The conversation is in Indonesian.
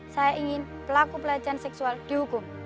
saya ingin pelaku pelecehan seksual dihukum